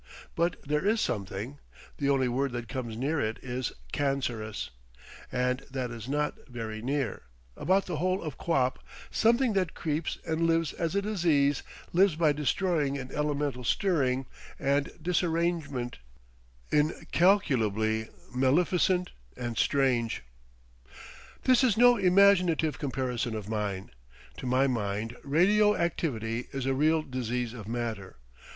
But there is something—the only word that comes near it is cancerous—and that is not very near, about the whole of quap, something that creeps and lives as a disease lives by destroying; an elemental stirring and disarrangement, incalculably maleficent and strange. This is no imaginative comparison of mine. To my mind radio activity is a real disease of matter.